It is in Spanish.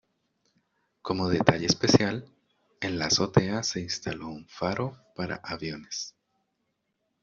Como detalle especial, en la azotea se instaló un faro para aviones.